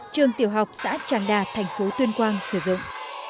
trường tiểu học xã tràng đà thành phố tuyên quang sử dụng